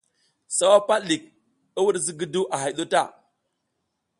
Sawa pal ɗik, i wuɗ zigiduw a hay ɗu o ta.